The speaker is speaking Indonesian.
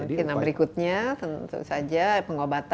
oke nah berikutnya tentu saja pengobatan